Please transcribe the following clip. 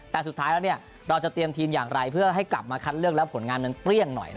แต่สุดท้ายแล้วเราจะเตรียมทีมอย่างไรเพื่อให้กลับมาคัดเลือกแล้วผลงานมันเปรี้ยงหน่อย